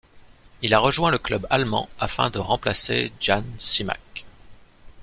Il a rejoint le club allemand afin de remplacer Jan Simak.